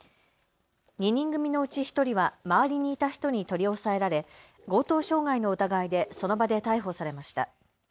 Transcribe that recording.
２人組のうち１人は周りにいた人に取り押さえられ強盗傷害の疑いでその場で逮捕されました。